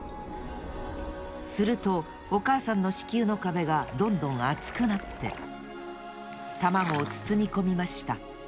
するとおかあさんの子宮のかべがどんどんあつくなってたまごをつつみこみました